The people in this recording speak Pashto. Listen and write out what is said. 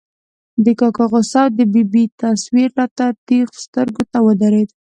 د کاکا غوسه او د ببۍ تصویر را ته نېغ سترګو ته ودرېد.